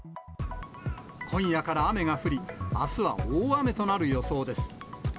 今夜から雨が降り、あすは大雨となる予想です。